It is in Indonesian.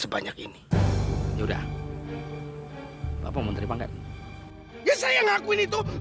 bawa bawa pergi